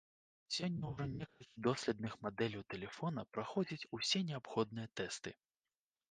Сёння ўжо некалькі доследных мадэляў тэлефона праходзяць усе неабходныя тэсты.